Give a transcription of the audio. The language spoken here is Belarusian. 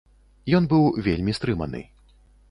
Ён быў вельмі стрыманы.